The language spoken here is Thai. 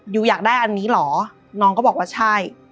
อยากได้อันนี้เหรอน้องก็บอกว่าใช่